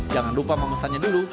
jangan lupa memesannya dulu